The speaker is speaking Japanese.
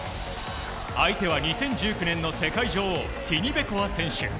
相手は２０１９年の世界女王ティニベコワ選手。